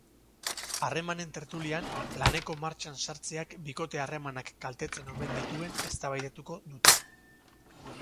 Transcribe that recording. Harremanen tertulian, laneko martxan sartzeak bikote harremanak kaltetzen omen dituen eztabaidatuko dute.